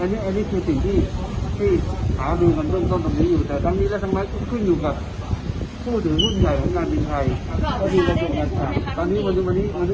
อันนี้อันนี้คือสิ่งที่ที่ผมพบนี้อยู่แต่ตั้งนี้แล้วต่างไม่ขึ้นอยู่กับผู้หุ้นใหญ่ของทางนี้